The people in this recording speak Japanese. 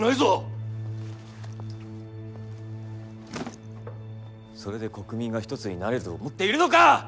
それで国民が一つになれると思っているのか！